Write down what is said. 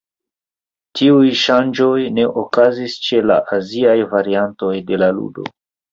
Tiuj ŝanĝoj ne okazis ĉe la aziaj variantoj de la ludo.